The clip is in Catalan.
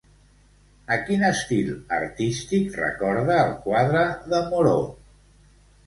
A quin estil artístic recorda el quadre de Moreau?